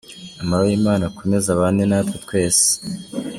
Amahoro y’Imana akomeze abane na twe twese.